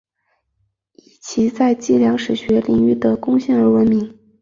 以其在计量史学领域的贡献而闻名。